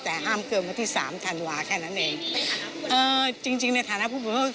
แต่ห้ามเกินวันที่สามธันวาแค่นั้นเองเอ่อจริงจริงในฐานะผู้ป่วย